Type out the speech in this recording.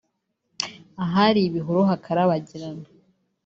ahari ibihuru hakarabagirana